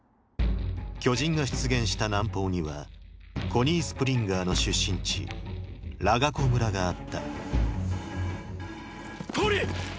巨人が出現した南方にはコニー・スプリンガーの出身地ラガコ村があったコニー！